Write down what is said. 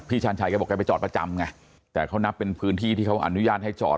ชาญชัยแกบอกแกไปจอดประจำไงแต่เขานับเป็นพื้นที่ที่เขาอนุญาตให้จอด